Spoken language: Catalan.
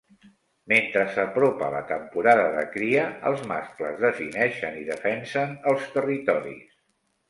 Mentre s'apropa la temporada de cria, els mascles defineixen i defensen els territoris.